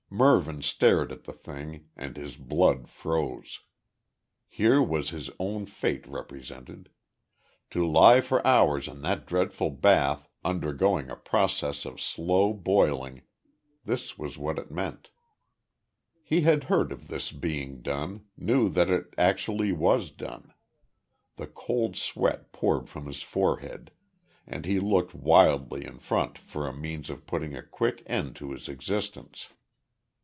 Mervyn stared at the thing, and his blood froze. Here was his own fate represented. To lie for hours in that dreadful bath undergoing a process of slow boiling, this was what it meant. He had heard of this being done, knew that it actually was done. The cold sweat poured from his forehead, and he looked wildly in front for a means of putting a quick end to his existence.